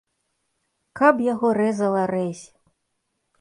Каб яго рэзала рэзь!